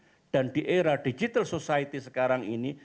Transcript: atau di era digital society sekarang ini